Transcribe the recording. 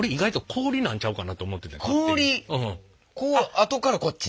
あとからこっち？